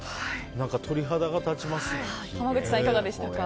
鳥肌が立ちますね。